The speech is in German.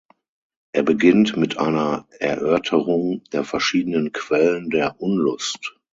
Er beginnt mit einer Erörterung der verschiedenen Quellen der Unlust.